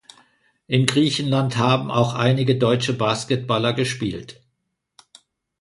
In Griechenland haben auch einige deutsche Basketballer gespielt.